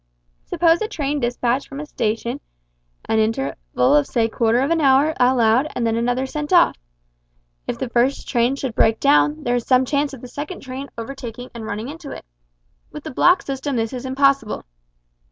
Suppose a train despatched from a station; an interval of say quarter of an hour allowed and then another sent off. If the first train should break down, there is some chance of the second train overtaking and running into it. With the block system this is impossible.